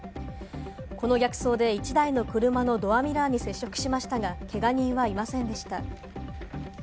この逆走で１台の車のドアミラーに接触しましたが、けが人はいませんでした。